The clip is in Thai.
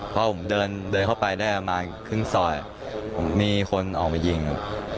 พอผมเดินเข้าไปได้ประมาณครึ่งซอยมีคนออกมายิงครับ